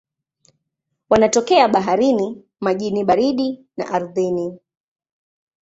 Wanatokea baharini, majini baridi na ardhini.